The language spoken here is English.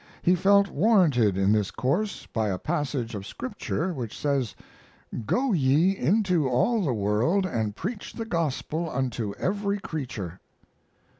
He felt warranted in this course by a passage of Scripture which says, "Go ye into all the world and preach the gospel unto every creature."